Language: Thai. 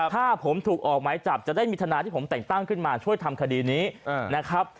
ถ้าผมถูกออกหมายจับจะได้มีทนายที่ผมแต่งตั้งขึ้นมาช่วยทำคดีนี้นะครับ